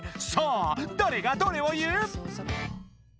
さあだれがどれを言う？